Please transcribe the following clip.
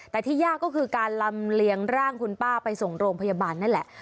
แต่ที่ยากก็คือการลำเลียงร่างคุณป้าไปส่งโรงพยาบาลนั่นแหละ